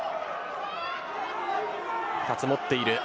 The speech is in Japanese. ２つ持っている。